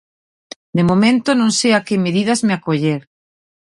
De momento non sei a que medidas me acoller.